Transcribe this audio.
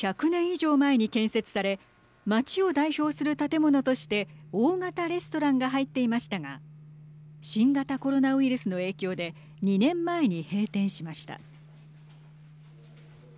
以上前に建設され街を代表する建物として大型レストランが入っていましたが新型コロナウイルスの影響で２年前に閉店しました。